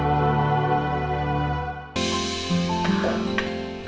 ya seenggak enggaknya kamu bicara sama pak surya sebagai sesama laki laki